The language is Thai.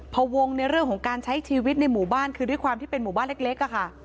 พอวงในเรื่องของการใช้ชีวิตในหมู่บ้านคือด้วยความที่เป็นหมู่บ้านเล็กอะค่ะ